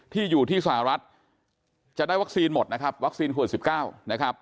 ที่อยู่ที่สหรัฐจะได้วัคซีนหมดนะครับวัคซีนขวด๑๙นะครับ